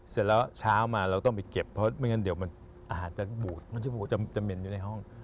เสร็จแล้วเช้ามาเราต้องไปเก็บไม่ว่าอาหารจะบูดจะเป็นอยู่ในห้อง